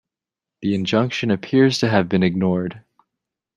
The injunction appears to have been ignored.